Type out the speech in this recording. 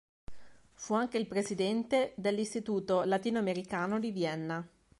Fu anche presidente dell'istituto latinoamericano di Vienna.